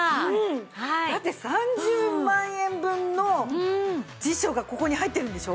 だって３０万円分の辞書がここに入ってるんでしょ？